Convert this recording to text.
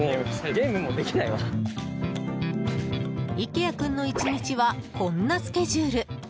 池谷君の１日はこんなスケジュール。